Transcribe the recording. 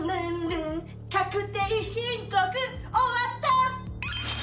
「確定申告終わった！」